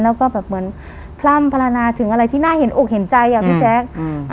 แล้วก็แบบเหมือนพร่ำพลนาถึงอะไรที่น่าเห็นอกเห็นใจอ่ะพี่แจ๊คอืม